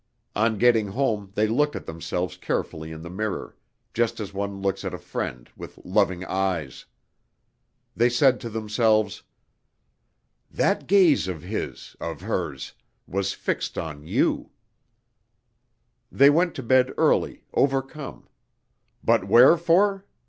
On getting home they looked at themselves carefully in the mirror just as one looks at a friend, with loving eyes. They said to themselves: "That gaze of his, of hers, was fixed on you." They went to bed early, overcome but wherefore?